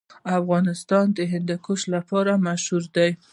افغانستان د هندوکش لپاره مشهور دی.